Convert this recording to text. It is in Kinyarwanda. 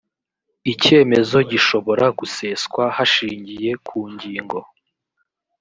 icyemezo gishobora guseswa hashingiye ku ngingo